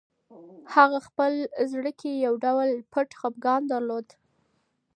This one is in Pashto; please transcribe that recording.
هغه په خپل زړه کې یو ډول پټ خپګان درلود.